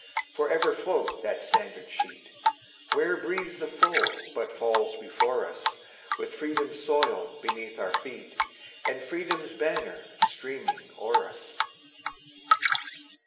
For ever float that standard sheet! Where breathes the foe but falls before us, With Freedom's soil beneath our feet, And Freedom's banner streaming o'er us?